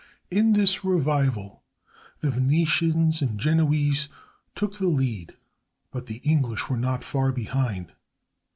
In this revival the Venetians and Genoese took the lead, but the English were not far behind.